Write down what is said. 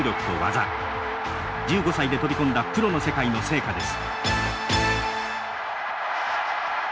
１５歳で飛び込んだプロの世界の成果です。